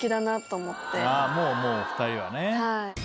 もうもう２人はね。